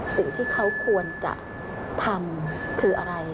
สิ่งที่เขาควรจะทำคืออะไร